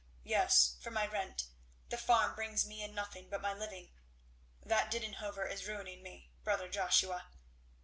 "Yes, for my rent! The farm brings me in nothing but my living. That Didenhover is ruining me, brother Joshua."